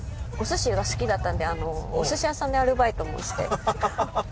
おすしが好きだったんでおすし屋さんでアルバイトもして。